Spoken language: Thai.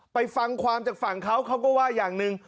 ไปฟังความจากฝั่งเขาเขาก็ว่าอย่างหนึ่ง